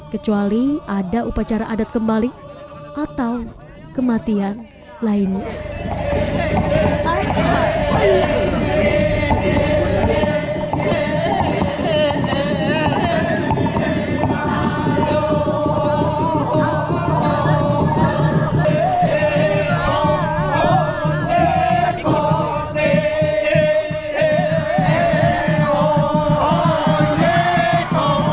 kecuali ada upacara adat kembali atau kematian lainnya